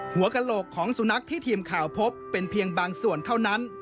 หัวกระโหลกของสุนัขที่ทีมข่าวพบเป็นเพียงบางส่วนเท่านั้น